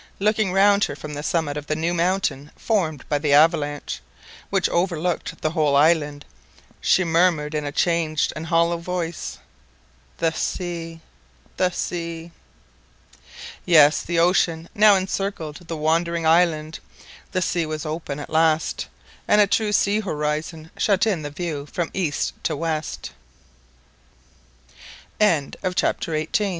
Looking round her from the summit of the new mountain formed by the avalanche, which overlooked the whole island, she murmured in a changed and hollow voice—— "The sea! the sea!" Yes, the ocean now encircled the wandering island, the sea was open at last, and a true sea horizon shut in the view from east to west. CHAPTER XIX. BEHRING SEA. The island, d